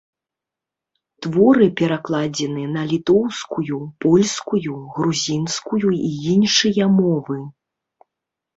Творы перакладзены на літоўскую, польскую, грузінскую і іншыя мовы.